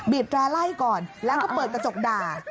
แร้ไล่ก่อนแล้วก็เปิดกระจกด่า